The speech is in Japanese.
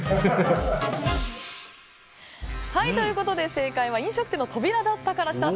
正解は飲食店の扉だったから。